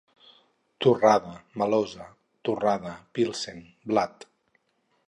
Torrada, Melosa, Torrada, Pilsen, Blat.